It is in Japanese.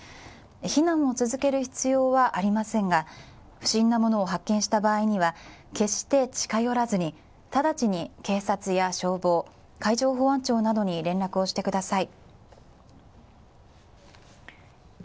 避難を続ける必要はありませんが、不審なものを発見した場合には決して近寄らずに直ちに警察や消防、海上保安庁などに連絡してください。